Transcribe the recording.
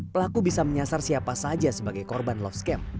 pelaku bisa menyasar siapa saja sebagai korban love scam